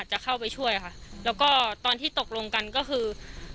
ก็กลายเป็นว่าติดต่อพี่น้องคู่นี้ไม่ได้เลยค่ะ